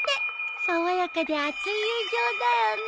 爽やかで厚い友情だよね